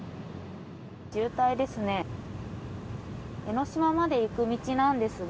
渋滞ですね。